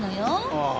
ああ。